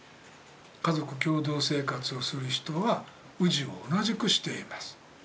家族共同生活をする人は氏を同じくしています。